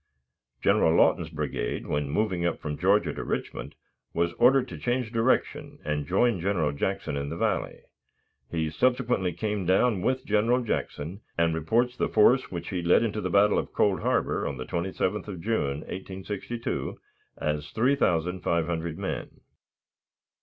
General Lawton's brigade, when moving up from Georgia to Richmond, was ordered to change direction, and join General Jackson in the Valley. He subsequently came down with General Jackson, and reports the force which he led into the battle of Cold Harbor, on the 27th of June, 1862, as 3,500 men.